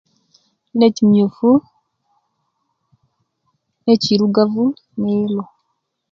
Ne kimufu ne kirugavu ne yellow